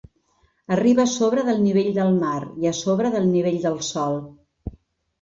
Arriba a sobre del nivell del mar i a sobre del nivell del sòl.